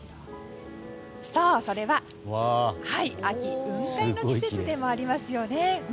そう、秋は雲海の季節でもありますよね。